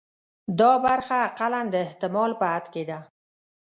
دا برخه اقلاً د احتمال په حد کې ده.